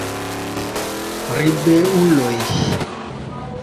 Ribeuloj